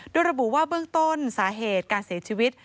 โดยระบุว่าเบื้องต้นสาเหตุการเสียชีวิต